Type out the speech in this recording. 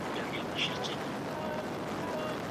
خپله راتلونکي په ناسمو هیلو مه خرابوئ.